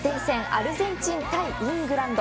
アルゼンチン対イングランド。